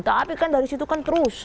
tapi kan dari situ kan terus